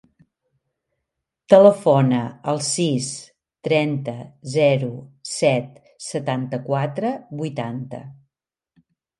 Telefona al sis, trenta, zero, set, setanta-quatre, vuitanta.